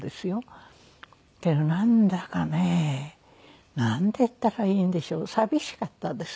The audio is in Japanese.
けどなんだかねなんて言ったらいいんでしょう寂しかったです。